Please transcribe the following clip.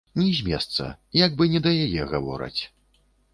Ні з месца, як бы не да яе гавораць.